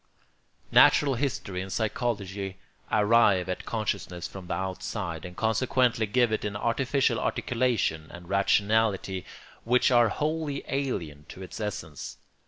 Natural history and psychology arrive at consciousness from the outside, and consequently give it an artificial articulation and rationality which are wholly alien to its essence.